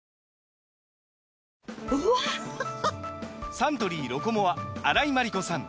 サントリー「ロコモア」荒井眞理子さん